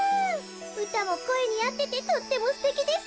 うたもこえにあっててとってもすてきですってよ。